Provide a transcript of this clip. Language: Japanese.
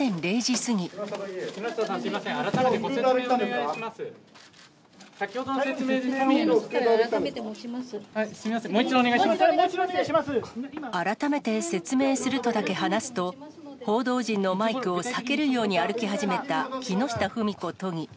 すみません、もう一度お願い改めて説明するとだけ話すと、報道陣のマイクを避けるように歩き始めた木下富美子都議。